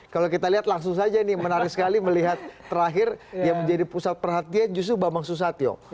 kalau kita lihat langsung saja ini menarik sekali melihat terakhir yang menjadi pusat perhatian justru bambang susatyo